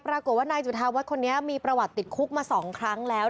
ปรากฏว่านายจุธาวัฒน์คนนี้มีประวัติติดคุกมา๒ครั้งแล้ว